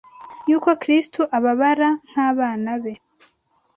yuko Kristo ababara nk’abana be.